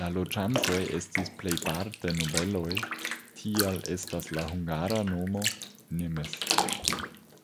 La loĝantoj estis plejparte nobeloj, tial estas la hungara nomo "nemes".